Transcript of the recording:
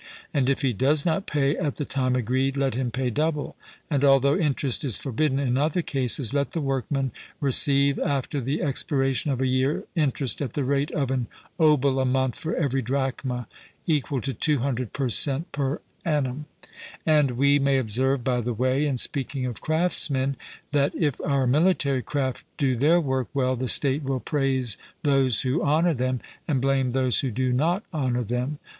And if he does not pay at the time agreed, let him pay double; and although interest is forbidden in other cases, let the workman receive after the expiration of a year interest at the rate of an obol a month for every drachma (equal to 200 per cent. per ann.). And we may observe by the way, in speaking of craftsmen, that if our military craft do their work well, the state will praise those who honour them, and blame those who do not honour them.